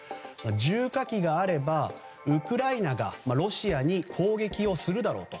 重火器があれば、ウクライナがロシアに攻撃をするだろうと。